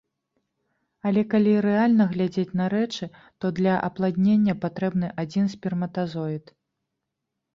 Але калі рэальна глядзець на рэчы, то для апладнення патрэбны адзін сперматазоід.